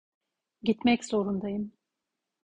Gitmek zorundayım.